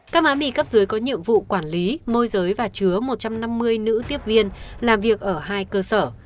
các má mì cấp dưới có nhiệm vụ quản lý môi giới và chứa một trăm năm mươi nữ tiếp viên làm việc ở hai cơ sở